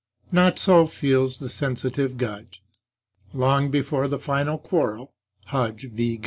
Not so feels the sensitive Gudge. Long before the final quarrel (Hudge v.